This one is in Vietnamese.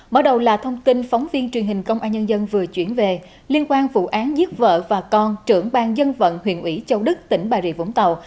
mở đầu là thông tin phóng viên truyền hình công an nhân dân vừa chuyển về liên quan vụ án giết vợ và con trưởng bang dân vận huyện ủy châu đức tỉnh bà rịa vũng tàu